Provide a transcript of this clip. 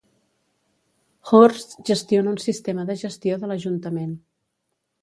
Hurst gestiona un sistema de gestió de l'ajuntament.